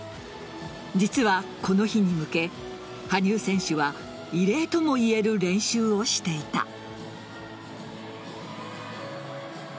実は、この日に向け羽生選手は異例ともいえる練習をしていた。